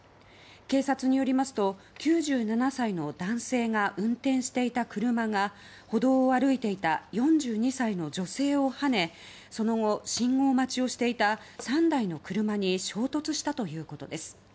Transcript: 警察によりますと９７歳の男性が運転していた車が歩道を歩いていた４２歳の女性をはねその後、信号待ちをしていた３台の車に衝突したということです。